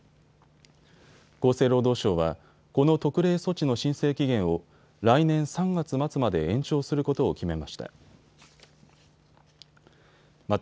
厚生労働省はこの特例措置の申請期限を来年３月末まで延長することを決めました。